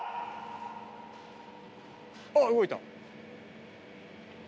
あっ動いた。